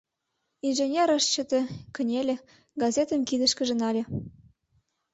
Инженер ыш чыте, кынеле, газетым кидышкыже нале.